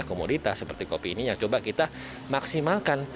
komoditas seperti kopi ini yang coba kita maksimalkan